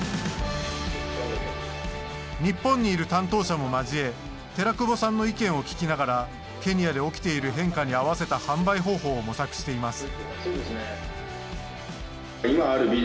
日本にいる担当者も交え寺久保さんの意見を聞きながらケニアで起きている変化に合わせた販売方法を模索しています。